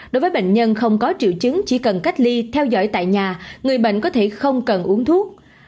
đối với bệnh nhân không có triệu chứng chỉ cần cách ly theo dõi tại nhà người bệnh có thể không cần uống thuốc